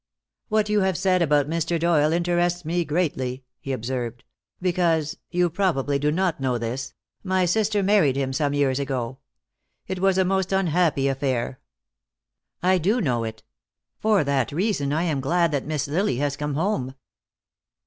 "What you have said about Mr. Doyle interests me greatly," he observed, "because you probably do not know this my sister married him some years ago. It was a most unhappy affair." "I do know it. For that reason I am glad that Miss Lily has come home."